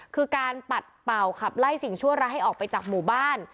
คือการปัดเป่าขับไล่สิ่งชั่วร้ายให้ออกไปจากหมู่บ้าน